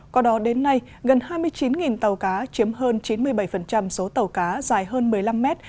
có đó đến nay gần hai mươi chín tàu cá chiếm hơn chín mươi bảy số tàu cá dài hơn một mươi năm mét